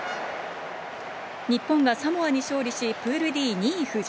日本がサモアに勝利し、プールＤ２位に浮上。